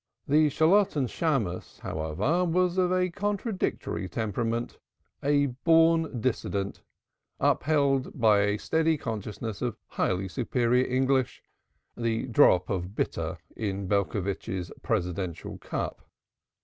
The Shalotten Shammos, however, was of contradictory temperament a born dissentient, upheld by a steady consciousness of highly superior English, the drop of bitter in Belcovitch's presidential cup.